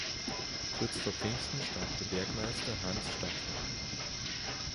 Kurz vor Pfingsten starb der Bergmeister Hans Stadtler.